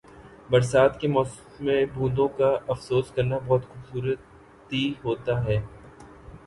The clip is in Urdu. برسات کے موسم میں بوندوں کا افسوس کرنا بہت خوبصورتی ہوتا ہے۔